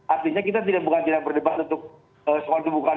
artinya kita bukan berdebat untuk sekolah itu bukan